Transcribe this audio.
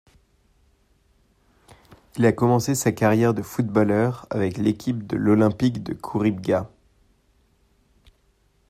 Il a commencé sa carrière de footballeur avec l'équipe de l'Olympique de Khouribga.